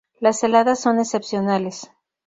Las heladas son excepcionales.